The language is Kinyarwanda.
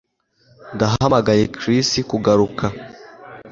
Ndahamagaye Chris kugaruka